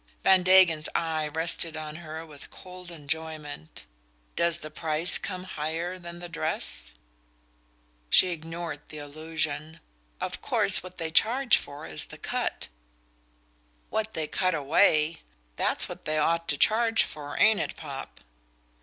Van Degen's eye rested on her with cold enjoyment. "Does the price come higher than the dress?" She ignored the allusion. "Of course what they charge for is the cut " "What they cut away? That's what they ought to charge for, ain't it, Popp?"